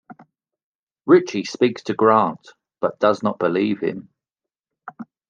Ritchie speaks to Grant, but does not believe him.